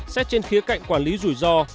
xét trên khía cạnh quản lý rủi ro